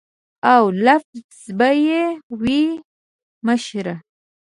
او لفظ به یې وایه مشره.